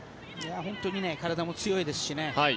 本当に体も強いですしね。